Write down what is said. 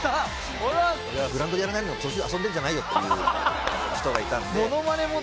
グラウンドでやらないのに遊んでるんじゃないよっていう人がいたんで。